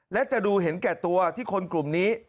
และจะดูเห็นแก่ตัวที่คนกลุ่มนี้